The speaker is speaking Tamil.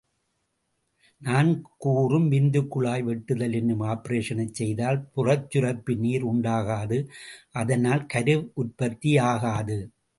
நான் கூறும் விந்துக்குழாய் வெட்டுதல் என்னும் ஆப்பரேஷனைச் செய்தால் புறச்சுரப்பு நீர் உண்டாகாது, அதனால் கருவுற்பத்தியாகாது.